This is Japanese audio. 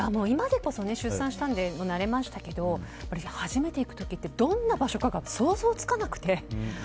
今でこそ、出産したので慣れましたけど初めて行く時ってどんな場所かが想像つかなくて。